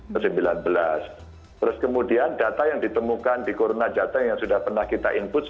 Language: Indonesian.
terus kemudian data yang ditemukan di corona jateng yang sudah pernah kita input